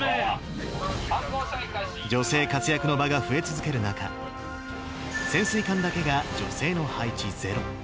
女性活躍の場が増え続ける中、潜水艦だけが女性の配置ゼロ。